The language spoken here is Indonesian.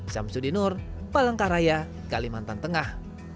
syamsuddinur palangkaraya kalimantan tengah